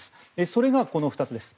それが、この２つです。